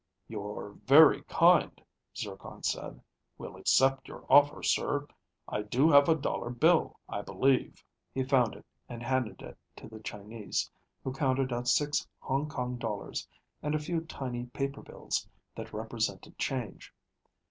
"You're very kind," Zircon said. "We'll accept your offer, sir. I do have a dollar bill, I believe." He found it and handed it to the Chinese, who counted out six Hong Kong dollars and a few tiny paper bills that represented change.